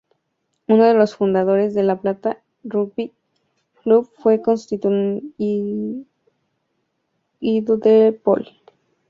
Uno de los fundadores de La Plata Rugby Club fue Constantino De Pol.